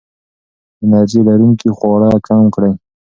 انرژي لرونکي خواړه کم کړئ.